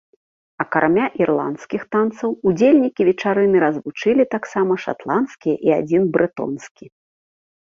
Акрамя ірландскіх танцаў, удзельнікі вечарыны развучылі таксама шатландскія і адзін брэтонскі.